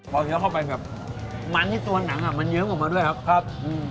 เยียมออกไปนะครับหมันที่ตัวหนังอะมันยื้มออกมาด้วยครับครับอืม